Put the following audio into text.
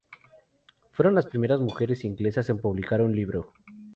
Fueron las primeras mujeres inglesas en publicar un libro.